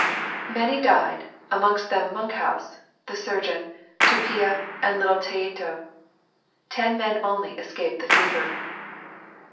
Many died, amongst them Monkhouse, the surgeon, Tupia, and little Tayeto. Ten men only escaped the fever.